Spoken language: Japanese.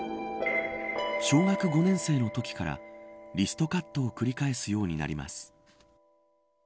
小学５年生のときからリストカットを繰り返すようになります。